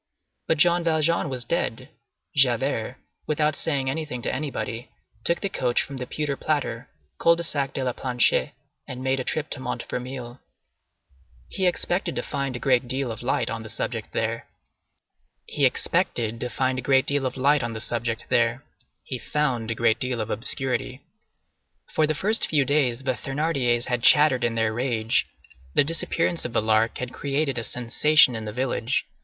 But Jean Valjean was dead. Javert, without saying anything to anybody, took the coach from the Pewter Platter, Cul de Sac de la Planchette, and made a trip to Montfermeil. He expected to find a great deal of light on the subject there; he found a great deal of obscurity. For the first few days the Thénardiers had chattered in their rage. The disappearance of the Lark had created a sensation in the village.